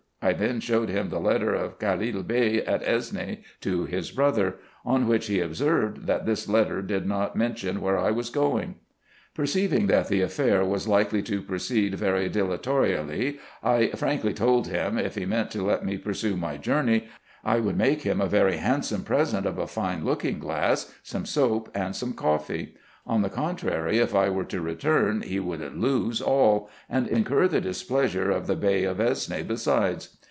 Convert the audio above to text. I then showed him the letter of Callil Bey at Esne to his brother : on which he observed, that this letter did not mention where I was going. Perceiving that the affair was likely to proceed very dilatorily, I frankly told him, if he meant to let me pursue my journey, I would make him a very handsome present of a fine looking glass, some soap, and some coffee ; on the contrary, if I were to return, he would lose all, and incur the displeasure of the Bey of Esne besides.